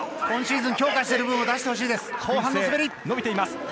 今シーズン強化している部分を出してほしいです。